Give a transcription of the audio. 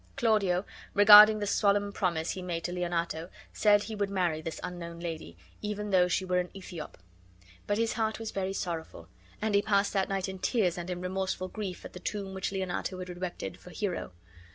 Claudio, regarding the solemn promise he made to Leonato, said he would marry this unknown lady, even though she were an Ethiop. But his heart was very sorrowful, and he passed that night in tears and in remorseful grief at the tomb which Leonato had erected for Hero.